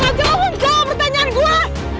rejah lo mau jawab pertanyaan gue